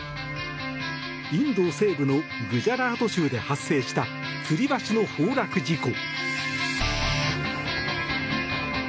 インド西部のグジャラート州で発生した、つり橋の崩落事故。